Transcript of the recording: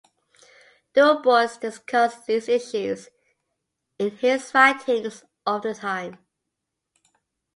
Dubois discussed these issues in his writings of the time.